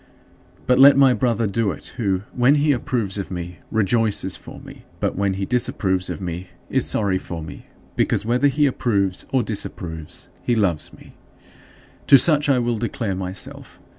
" But let my brother do it who, when he approves of me, rejoices for me, but when he disapproves of me is sorry for me; because whether he approves or disapproves, he loves me. To such I will declare myself.